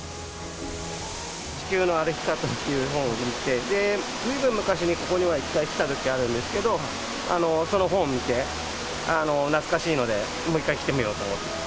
地球の歩き方という本を見て、ずいぶん昔に、ここには一回来たことあるんですけど、その本を見て、懐かしいので、もう１回来てみようと思って。